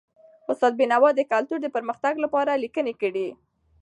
استاد بینوا د کلتور د پرمختګ لپاره لیکني کړي دي.